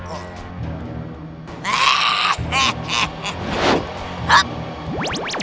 mengambang di udara